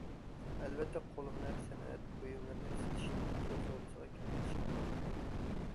ئەلۋەتتە، قول ھۈنەر- سەنئەت بۇيۇملىرىنى سېتىشنىمۇ تور سودىسىغا كېڭەيتىشكە تامامەن بولىدۇ.